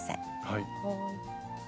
はい。